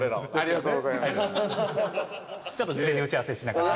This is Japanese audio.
ちょっと事前に打ち合わせしながら。